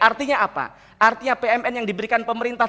artinya apa artinya pmn yang diberikan pemerintah